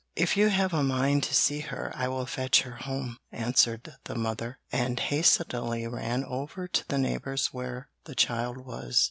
'If you have a mind to see her, I will fetch her home,' answered the mother, and hastily ran over to the neighbour's where the child was.